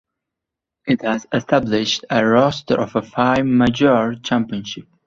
It has established a roster of five major championships.